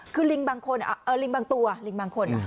คือลิงบางตัวลิงบางคน